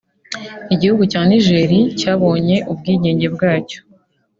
Igihugu cya Niger cyabonye ubwigenge bwacyo